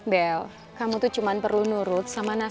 bel kamu tuh cuma perlu nurut sama nasi